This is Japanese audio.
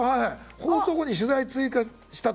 放送後に取材追加したと。